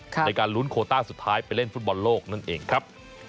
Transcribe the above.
ในการลุ้นโคต้าสุดท้ายไปเล่นฟุตบอลโลกนั่นเองครับ